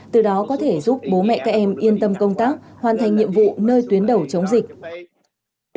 từ đó có thể giúp bố mẹ các em yên tâm công tác hoàn thành nhiệm vụ nơi tuyến đầu chống dịch